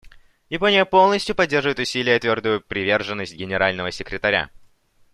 Япония полностью поддерживает усилия и твердую приверженность Генерального секретаря.